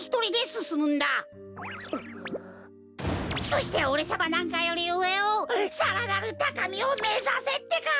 そしておれさまなんかよりうえをさらなるたかみをめざせってか！